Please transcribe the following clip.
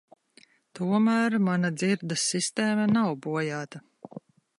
Tomēr mana dzirdes sistēma nav bojāta.